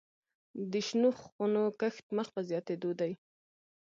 د شنو خونو کښت مخ په زیاتیدو دی